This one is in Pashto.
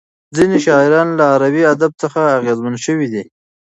ځینې شاعران له عربي ادب څخه اغېزمن شوي دي.